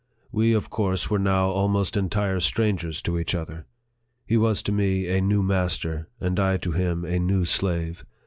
We of course were now almost entire strangers to each other. He was to me a new master, and I to him a new slave.